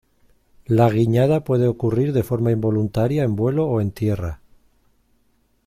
La guiñada puede ocurrir de forma involuntaria en vuelo o en tierra.